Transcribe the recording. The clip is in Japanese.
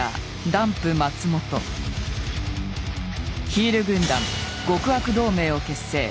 ヒール軍団極悪同盟を結成。